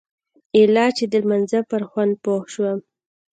ايله چې د لمانځه پر خوند پوه سوم.